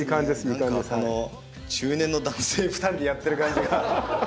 何かこの中年の男性２人でやってる感じが。